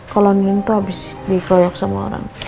kalau nien tuh habis dikeroyok sama orang